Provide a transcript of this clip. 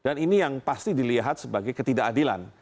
dan ini yang pasti dilihat sebagai ketidakadilan